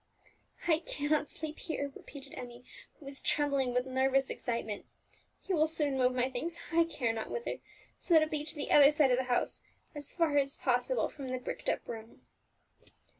"I cannot sleep here," repeated Emmie, who was trembling with nervous excitement. "You will soon move my things I care not whither so that it be to the other side of the house, as far as possible from the bricked up room."